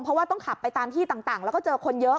เพราะว่าต้องขับไปตามที่ต่างแล้วก็เจอคนเยอะ